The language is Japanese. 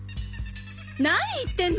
何言ってんの？